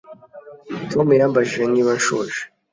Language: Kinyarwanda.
Tom yambajije niba nshonje